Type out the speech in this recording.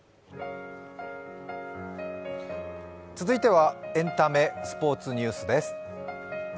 続いてはエンタメ、スポーツニュースです。